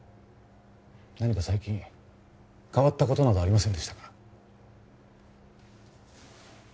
何か最近変わったことなどありませんでしたか？